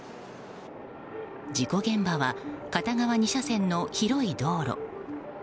事故現場は片側２車線の広い道路。